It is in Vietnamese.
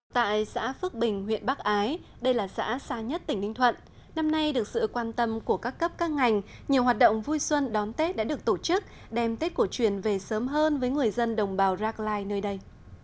tại xã phước bình huyện bắc ái đây là xã xa nhất tỉnh ninh thuận năm nay được sự quan tâm của các cấp các ngành nhiều hoạt động vui xuân đón tết đã được tổ chức đem tết cổ truyền về sớm hơn với người dân đồng bào rackline nơi đây